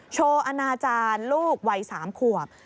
โชว์อาณาจารย์ลูกวัย๓ขวบ